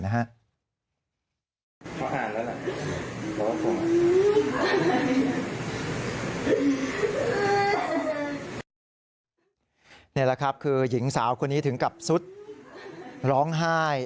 นี่แหละครับคือหญิงสาวคนนี้ถึงกับสุดร้องไห้